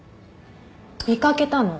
見掛けたの。